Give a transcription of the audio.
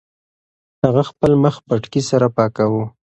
هغه خپل مخ پټکي سره پاکاوه.